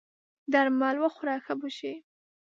درمل وخوره ښه به سې!